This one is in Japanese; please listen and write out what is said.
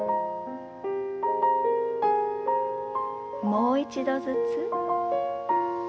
もう一度ずつ。